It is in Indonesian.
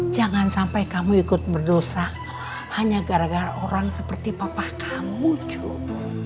jangan sampai kamu ikut berdosa hanya gara gara orang seperti papa kamu juga